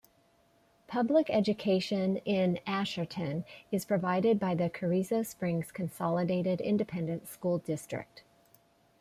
Public education in Asherton is provided by the Carrizo Springs Consolidated Independent School District.